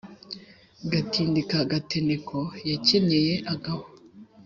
Gatindi ka Gateneneko yakenyeye agahu